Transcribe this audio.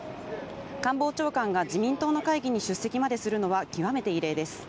官房長官が自民党の会議に出席までするのは極めて異例です。